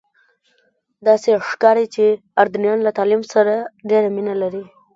داسې ښکاري چې اردنیان له تعلیم سره ډېره مینه لري.